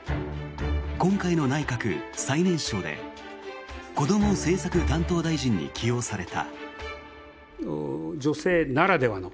今回の内閣最年少でこども政策担当大臣に起用された。